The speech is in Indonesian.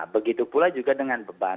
begitu pula juga dengan beban